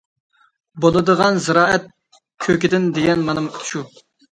بولىدىغان زىرائەت كۆكىدىن دېگەن مانا شۇ.